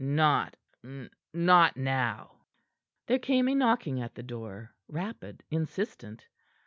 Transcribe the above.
"Not not now." There came a knocking at the door, rapid, insistent.